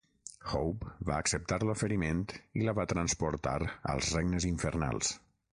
Hope va acceptar l'oferiment i la va transportar als regnes infernals.